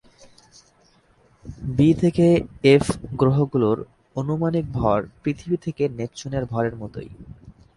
B থেকে F গ্রহগুলোর আনুমানিক ভর পৃথিবী থেকে নেপচুনের ভরের মতই।